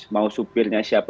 mau supirnya siapa apa